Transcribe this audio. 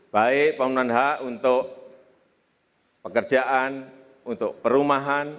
baik pemenuhan hak untuk pekerjaan untuk perumahan